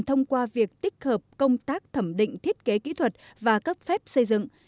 thông qua việc tích hợp công tác thẩm định thiết kế kỹ thuật và cấp phép xây dựng